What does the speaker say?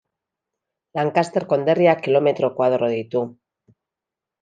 Lancaster konderriak kilometro koadro ditu.